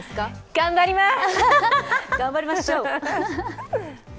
頑張ります！